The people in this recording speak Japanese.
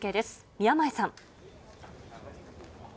宮前さん。